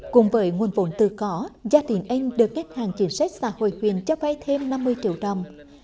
cùng với nguồn vốn tự có gia đình anh được kết hàng chính sách xã hội huyện cho vay thêm năm mươi triệu đồng